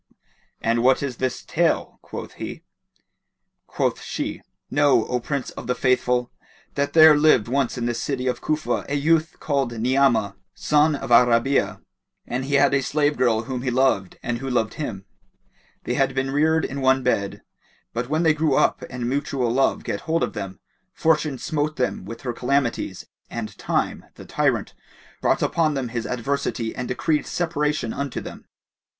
"And what is this tale?" quoth he. Quoth she "Know, O Prince of the Faithful that there lived once in the city of Cufa a youth called Ni'amah, son of Al Rabi'a, and he had a slave girl whom he loved and who loved him. They had been reared in one bed; but when they grew up and mutual love get hold of them, Fortune smote them with her calamities and Time, the tyrant, brought upon them his adversity and decreed separation unto them.